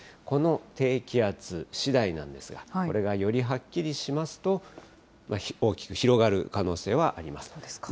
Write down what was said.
この低気圧しだいなんですが、これがよりはっきりしますと、大きく広がる可能性はあります。